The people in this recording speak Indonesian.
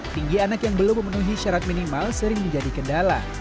tinggi anak yang belum memenuhi syarat minimal sering menjadi kendala